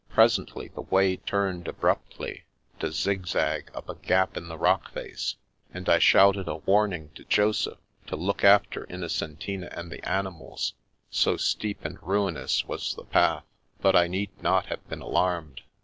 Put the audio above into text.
Presently the way turned abruptly, to zig zag up a gap in the rock face, and I shouted a warning to Joseph to look after Innocen tina and the animals, so steep and ruinous was the path. But I need not have been alarmed.